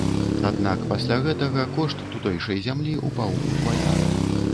Аднак пасля гэтага кошт тутэйшай зямлі ўпаў удвая.